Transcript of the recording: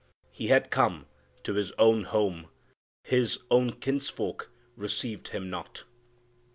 He had come to His own home. His own kinsfolk received Him not!